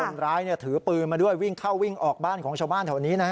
คนร้ายถือปืนมาด้วยวิ่งเข้าวิ่งออกบ้านของชาวบ้านแถวนี้นะฮะ